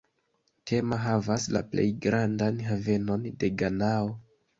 Tema havas la plej grandan havenon de Ganao.